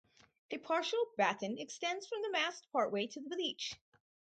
A partial batten extends from the mast partway to the leech.